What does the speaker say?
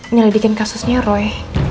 selidikin kasusnya roy